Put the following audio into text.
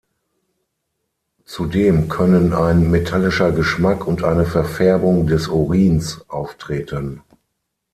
Zudem können ein metallischer Geschmack und eine Verfärbung des Urins auftreten.